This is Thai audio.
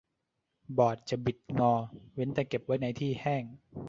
บอร์ดจะบิดงอเว้นแต่เก็บไว้ในที่แห้ง